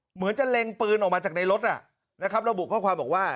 เหมือนจะเล็งปืนออกมาจากในรถนะครับระบุข้อความบอกว่า